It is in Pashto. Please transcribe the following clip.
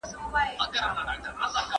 ¬ يوه کډه دبلي زړه کاږي.